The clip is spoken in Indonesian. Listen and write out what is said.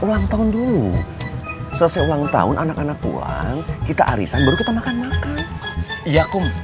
ulang tahun dulu selesai ulang tahun anak anak tuang kita arisan berkata makan makan ya kum